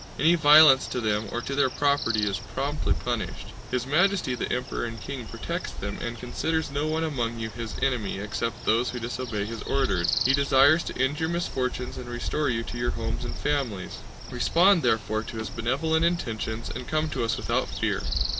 Any violence to them or to their property is promptly punished. His Majesty the Emperor and King protects them, and considers no one among you his enemy except those who disobey his orders. He desires to end your misfortunes and restore you to your homes and families. Respond, therefore, to his benevolent intentions and come to us without fear.